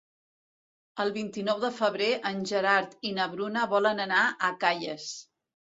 El vint-i-nou de febrer en Gerard i na Bruna volen anar a Calles.